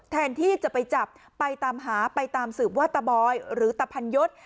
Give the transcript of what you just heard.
แทนที่จะไปจับไปตามหาไปตามสืบว่าตะบอยหรือตะพันยศ